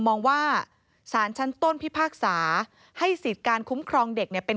มองว่าสารชั้นต้นพิพากษาให้สิทธิ์การคุ้มครองเด็กเนี่ยเป็น